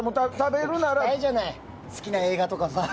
好きな映画とかさ。